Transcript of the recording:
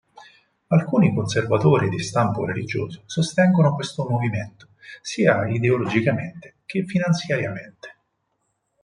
Alcuni conservatori di stampo religioso sostengono questo movimento, sia ideologicamente che finanziariamente.